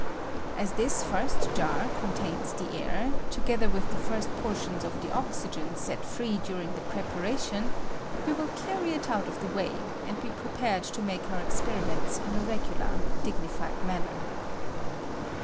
(As this first jar contains the air, to gether with the first portions of the oxygen set free during the preparation, we will carry it out of the way, and be prepared to make our esperimenta in a regular, dignified manner.)